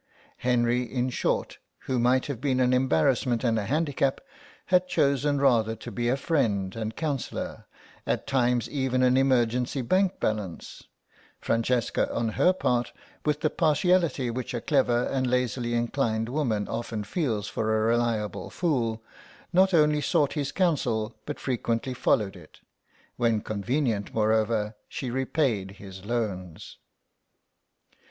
Henry, in short, who might have been an embarrassment and a handicap, had chosen rather to be a friend and counsellor, at times even an emergency bank balance; Francesca on her part, with the partiality which a clever and lazily inclined woman often feels for a reliable fool, not only sought his counsel but frequently followed it. When convenient, moreover, she repaid his loans.